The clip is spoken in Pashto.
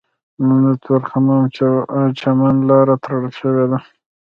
نن د تورخم او چمن لاره تړل شوې ده